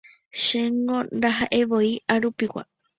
Chéngo ndaha'eivoi arupigua